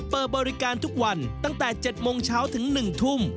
เปิดบริการทุกวันตั้งแต่๗โมงเช้าถึง๑ทุ่ม